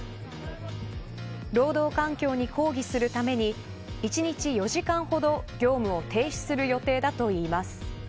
労働環境に抗議するために１日４時間ほど業務を停止する予定だといいます。